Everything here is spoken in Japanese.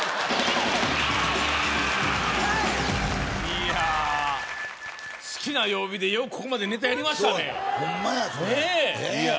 いや好きな曜日でよくここまでネタやりましたねホンマや